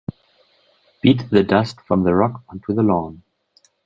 Beat the dust from the rug onto the lawn.